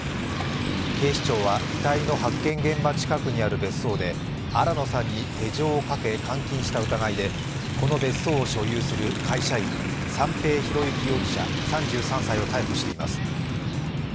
警視庁は遺体の発見現場近くにある別荘で新野さんに手錠をかけ監禁した疑いでこの別荘を所有する会社員三瓶博幸容疑者３３歳を逮捕しています。